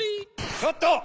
ちょっと！